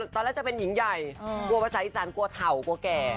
ตอนนั้นจะเป็นหญิงใหญ่กลัวภาษาอีสานกลัวเถ่ากลัวแก่